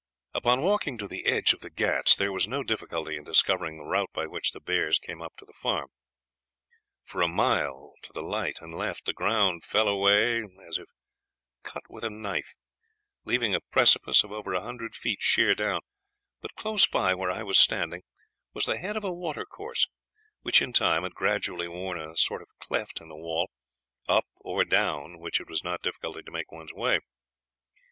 Upon walking to the edge of the Ghauts there was no difficulty in discovering the route by which the bears came up to the farm. For a mile to the right and left the ground fell away as if cut with a knife, leaving a precipice of over a hundred feet sheer down; but close by where I was standing was the head of a water course, which in time had gradually worn a sort of cleft in the wall, up or down which it was not difficult to make one's way.